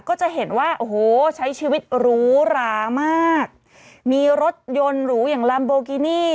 ก็จะเห็นว่าโอ้โหใช้ชีวิตหรูหรามากมีรถยนต์หรูอย่างลัมโบกินี่